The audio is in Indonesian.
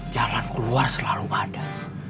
jalan keluar selalu ada